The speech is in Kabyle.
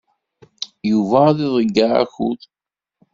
Yuba ad iḍeyyeɛ akud.